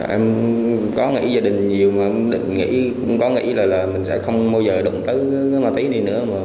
em có nghĩ gia đình nhiều mà cũng có nghĩ là mình sẽ không bao giờ đụng tới ma túy đi nữa